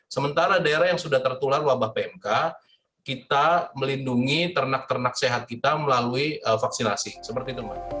sementara daerah yang sudah tertular wabah pmk kita melindungi ternak ternak sehat kita melalui vaksinasi seperti itu mbak